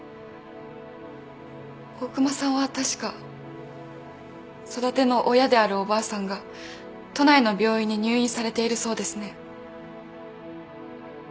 大熊さんは確か育ての親であるおばあさんが都内の病院に入院されているそうですね。